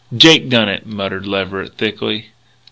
"Jake done it," muttered Leverett, thickly.